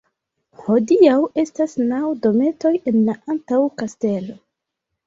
Hodiaŭ estas naŭ dometoj en la antaŭ-kastelo.